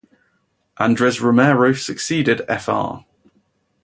Andres Romero succeeded Fr.